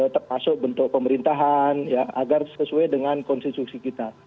termasuk bentuk pemerintahan agar sesuai dengan konstitusi kita